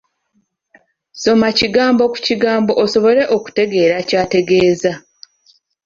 Soma kigambo ku kigambo osobole okutegeera ky'ategeeza.